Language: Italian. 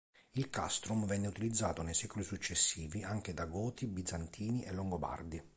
Il "castrum "venne utilizzato nei secoli successivi anche da Goti, Bizantini e Longobardi.